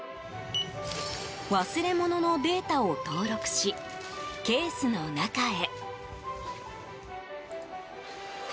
忘れ物のデータを登録しケースの中へ。